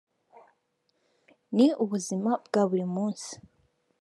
ni ubuzima bwa buri munsi